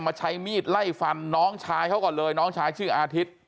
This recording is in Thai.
ใช้มีดไล่ฟันน้องชายเขาก่อนเลยน้องชายชื่ออาทิตย์